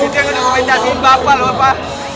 itu yang udah memintasiin bapak loh pak